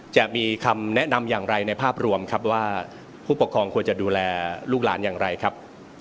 จะมีคำแนะนำอย่างไรในภาพรวมครับว่าผู้ปกครองควรจะดูแลลูกหลานอย่างไรครับ